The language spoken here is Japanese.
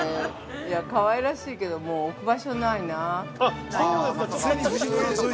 かわいらしいけど、もう置く場所ないなあ。